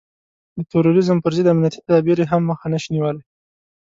د تروريزم پر ضد امنيتي تدابير يې هم مخه نشي نيولای.